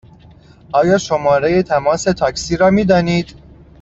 آیا شماره تماس تاکسی را می دانید؟